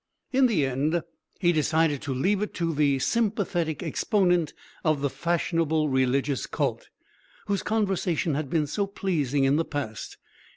In the end he decided to leave it to the sympathetic exponent of the fashionable religious cult, whose conversation had been so pleasing in the past.